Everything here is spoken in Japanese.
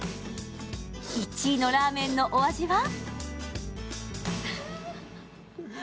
１位のラーメンのお味は？